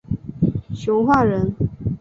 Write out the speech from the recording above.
熊化人。